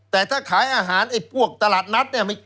แต่ถ้าขายอาหารอังกฤษตลาดนัย